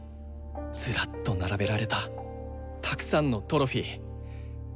ずらっと並べられたたくさんのトロフィー。